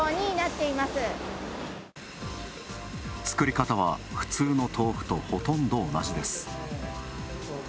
作り方は、普通の豆腐とほとんど同じです。